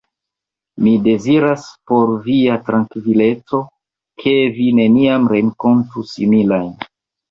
Mi deziras, por via trankvileco, ke vi neniam renkontu similajn.